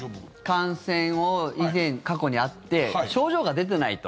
感染を以前、過去にあって症状が出てないと。